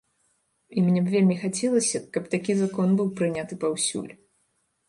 І мне б вельмі хацелася, каб такі закон быў прыняты паўсюль.